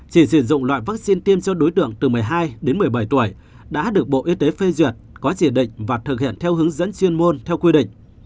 chỉ sử dụng loại vaccine tiêm cho đối tượng từ một mươi hai đến một mươi bảy tuổi đã được bộ y tế phê duyệt có chỉ định và thực hiện theo hướng dẫn chuyên môn theo quy định